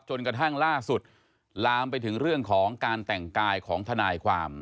จนกระทั่งล่าสุดลามไปถึงเรื่องของการแต่งกายของทนายความ